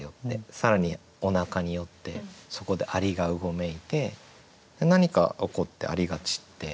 更におなかに寄ってそこで蟻が蠢いて何か起こって蟻が散って。